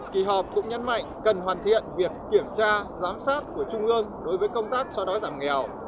kỳ họp cũng nhấn mạnh cần hoàn thiện việc kiểm tra giám sát của trung ương đối với công tác xóa đói giảm nghèo